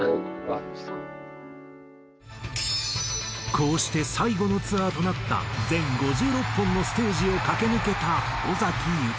こうして最後のツアーとなった全５６本のステージを駆け抜けた尾崎豊。